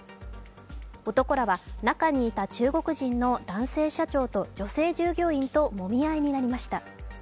男らは、中にいた中国人の男性社長と女性従業員ともみ合いになりました。